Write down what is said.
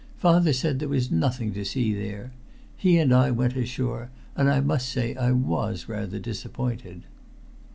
Father said there was nothing to see there. He and I went ashore, and I must say I was rather disappointed."